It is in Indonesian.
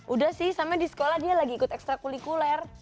udah sih sama di sekolah dia lagi ikut ekstra kulikuler